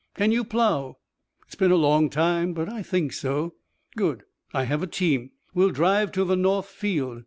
"Can you plough?" "It's been a long time but I think so." "Good. I have a team. We'll drive to the north field.